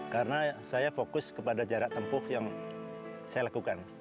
karena saya fokus kepada jarak tempuh yang saya lakukan